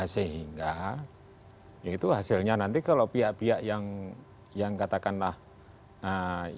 sehingga ya itu hasilnya nanti kalau pihak pihak yang katakanlah